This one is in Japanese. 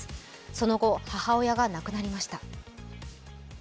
その後、母親が亡くなりました。